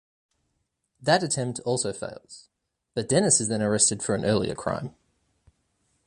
That attempt also fails, but Dennis is then arrested for an earlier crime.